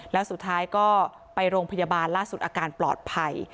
แล้วสุดท้ายก็ไปโรงพยาบาลล่าสุดอาการปลอดภัย